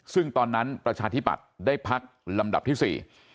ซึ่งตอนนั้นประชาธิปัตย์ได้พักลำดับที่สี่